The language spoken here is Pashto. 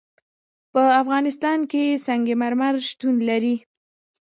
په افغانستان کې سنگ مرمر شتون لري.